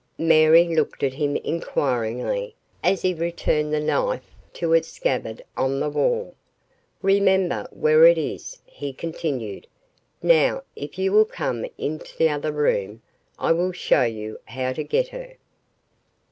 Mary looked at him inquiringly as he returned the knife to its scabbard on the wall. "Remember where it is," he continued. "Now, if you will come into the other room I will show you how to get her."